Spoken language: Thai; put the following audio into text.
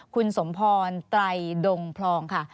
คุณสมพรไตรดงพลองค่ะ